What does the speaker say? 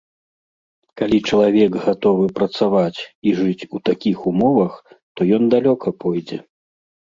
Калі чалавек гатовы працаваць і жыць у такіх умовах, то ён далёка пойдзе.